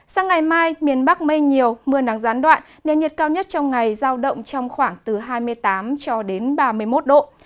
sang ngày mai miền bắc mây nhiều mưa nắng gián đoạn nền nhiệt cao nhất trong ngày giao động trong khoảng từ hai mươi tám cho đến ba mươi một độ